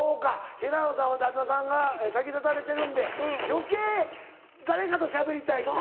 平野さんは旦那さんが先立たれてるんで余計誰かとしゃべりたいんだ。